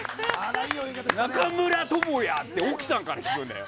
中村倫也！って奥さんから聞くんだよ。